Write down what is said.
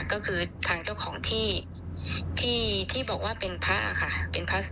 ก็คือทางเจ้าของที่ที่บอกว่าเป็นพระค่ะ